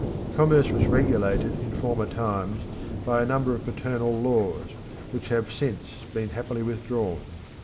Commerce was regulated in former times by a number of paternal laws, which have since been happily withdrawn.